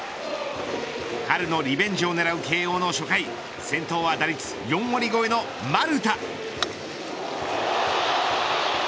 春のリベンジを狙う慶応の初回先頭は打率４割超えの丸田。